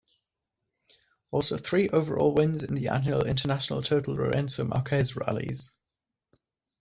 Also three overall wins in the annual International Total Lourenco Marques Rallies.